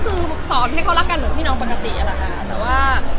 ก็คือสอนให้เขารักกันเหมือนพี่น้องปกติอะแหละค่ะ